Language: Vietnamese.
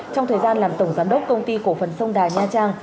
trong thời gian làm tổng giám đốc công ty cổ phần sông đà nha trang